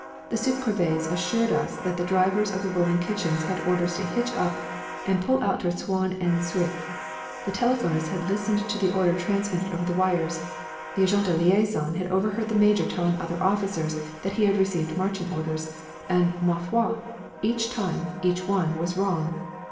The soup corvées assured us that the drivers of the rolling kitchens had orders to hitch up and pull out toward Souain and Suippes. The telephonists had listened to the order transmitted over the wires. The agents de liaison had overheard the major telling other officers that he had received marching orders, and, 'ma foi! each time each one was wrong!'